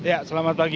ya selamat pagi